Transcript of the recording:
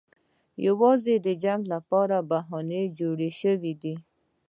یوازې د جنګ لپاره بهانې جوړې شوې دي.